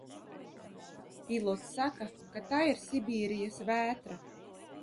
Pilots saka, ka tā ir Sibīrijas vētra?